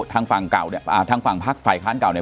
ทางฝั่งเก่าเนี่ยอ่าทางฝั่งพักฝ่ายค้านเก่าเนี่ย